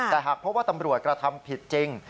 แต่หากพบว่าตำรวจกระทำผิดจริง